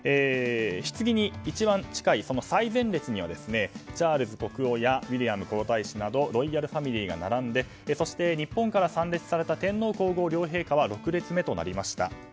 ひつぎに一番近い最前列にはチャールズ国王やウィリアム皇太子などロイヤルファミリーが並んでそして、日本から参列された天皇・皇后両陛下は６列目となりました。